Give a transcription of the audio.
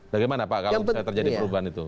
bagaimana pak kalau terjadi perubahan itu